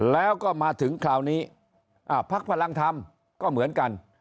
แล้วก็มาถึงคราวนี้พักพลังธรรมก็เหมือนกัน